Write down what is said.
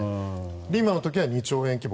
前回の時は２兆円規模